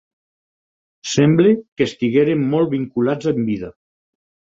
Sembla que estigueren molt vinculats en vida.